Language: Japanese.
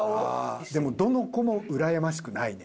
でもどの子もうらやましくないね。